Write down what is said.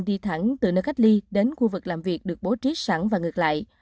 đi thẳng từ nơi cách ly đến khu vực làm việc được bố trí sẵn và ngược lại